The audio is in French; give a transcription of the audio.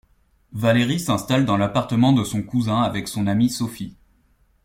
Valérie s'installe dans l'appartement de son cousin avec son amie Sophie.